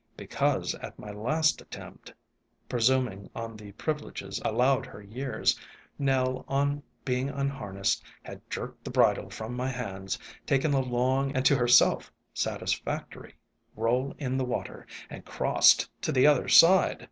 Because at my last attempt, presum ing on the privileges allowed her years, Nell, on 62 ALONG THE WATERWAYS being unharnessed, had jerked the bridle from my hands, taken a long, and — to herself — satisfactory roll in the water, and crossed to the other side!